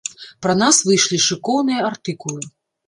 Пра нас выйшлі шыкоўныя артыкулы.